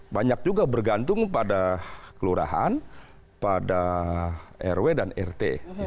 banyak juga bergantung pada kelurahan pada rw dan rt